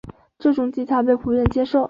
这种技巧被普遍接受。